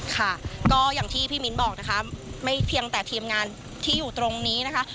ค่ะก็อย่างที่พี่มิ้นบอกนะคะไม่เพียงแต่ทีมงานที่อยู่ตรงนี้นะคะ